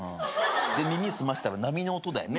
耳澄ましたら波の音だよね。